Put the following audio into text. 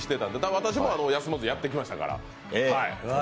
私も休まずやってきましたから。